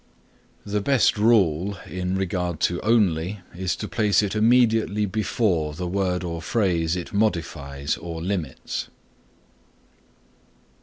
The best rule in regard to only is to place it immediately before the word or phrase it modifies or limits.